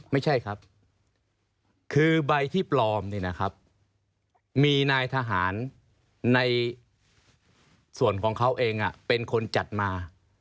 ไม่ใช่ครับคือใบที่ปลอมเนี่ยนะครับมีนายทหารในส่วนของเขาเองเป็นคนจัดมา